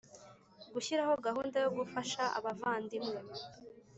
gushyiraho gahunda yo gufasha abavandimwe